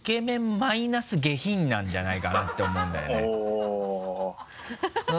マイナス下品なんじゃないかなと思うんだよねおっ。